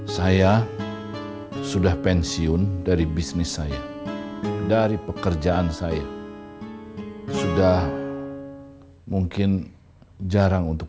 saya sudah pensiun dari bisnis saya dari pekerjaan saya sudah mungkin jarang untuk